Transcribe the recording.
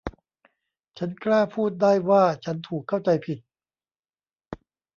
ฉันกล้าพูดได้ว่าฉันถูกเข้าใจผิด